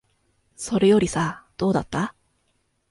それよりさ、どうだった？